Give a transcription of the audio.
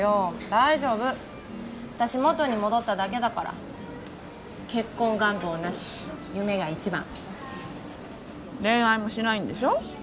大丈夫私もとに戻っただけだから結婚願望なし夢が一番恋愛もしないんでしょ？